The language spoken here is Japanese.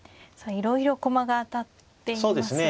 いろいろ駒が当たっていますが。